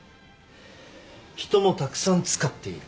人もたくさん使っている。